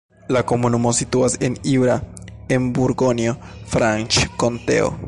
La komunumo situas en Jura, en Burgonjo-Franĉkonteo.